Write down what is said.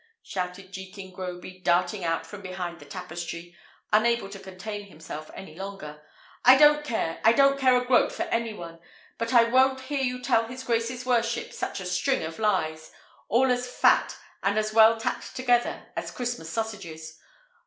shouted Jekin Groby, darting out from behind the tapestry, unable to contain himself any longer. "I don't care, I don't care a groat for any one; but I won't hear you tell his grace's worship such a string of lies, all as fat and as well tacked together as Christmas sausages.